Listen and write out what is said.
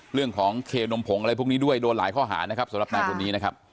เรื่องของเคนมผงอะไรพวกนี้ด้วยโดนหลายข้อหานะครับสำหรับนายคนนี้นะครับ